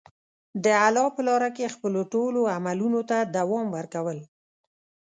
د الله په لاره کې خپلو ټولو عملونو ته دوام ورکول.